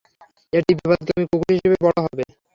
এটি বিপথগামী কুকুর হিসাবে বড় হবে।